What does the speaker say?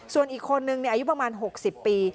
ส่วนอีกคนนึงอายุประมาณ๖๐ปี